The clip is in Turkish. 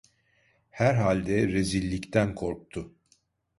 Herhalde rezillikten korktu.